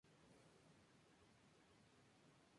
Su cabecera es Puerto Morelos.